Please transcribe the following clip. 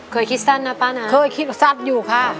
เคยคิดสั้นนะป้านะเคยคิดสั้นอยู่ค่ะ